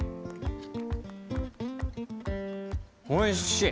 おいしい！